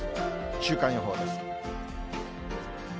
週間予報です。